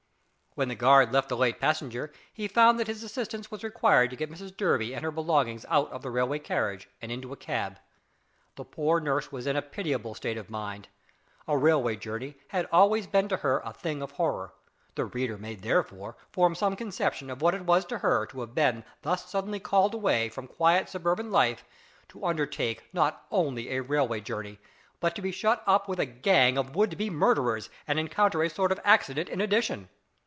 When the guard left the late passenger, he found that his assistance was required to get Mrs Durby and her belongings out of the railway carriage and into a cab. The poor nurse was in a pitiable state of mind. A railway journey had always been to her a thing of horror. The reader may therefore form some conception of what it was to her to have been thus suddenly called away from quiet suburban life to undertake not only a railway journey, but to be shut up with a gang of would be murderers and encounter a sort of accident in addition!